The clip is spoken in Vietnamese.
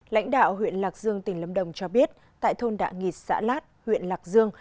lãnh đạo huyện lạc dương tỉnh lâm đồng cho biết tại thôn đạ nghịt xã lát huyện lạc dương